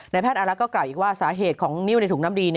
ในแพทย์อันแล้วก็กลับอีกว่าสาเหตุของนิ้วในถุงน้ำดี